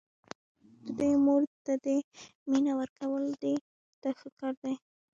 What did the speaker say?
د دوی مور ته دې مینه ورکول دي دا ښه کار دی.